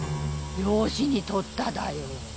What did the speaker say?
養子に取っただよ。